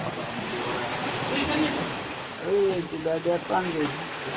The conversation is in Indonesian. oh tidak ada panggung